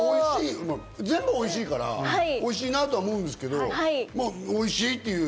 全部おいしいから、おいしいなぁと思うんですけど、まぁ、おいしいっていう。